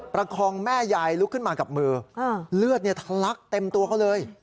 ประคองแม่ยายลุกขึ้นมากับมือเลือดทะลักเต็มตัวเขาเลย